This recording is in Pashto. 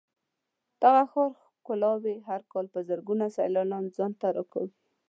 د دغه ښار ښکلاوې هر کال په زرګونو سېلانیان ځان ته راکاږي.